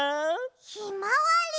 ひまわり！